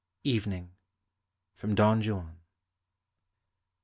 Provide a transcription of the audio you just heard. EVENING. FROM "DON JUAN."